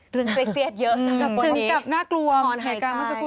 เรื่องหลั่งเสกเจ็ดเยอะจำนวนในการเรื่องกลรวมหายใจจะกู้